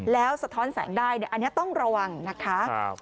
แล้วสะท้อนแสงได้อันนี้ต้องระวังนะคะ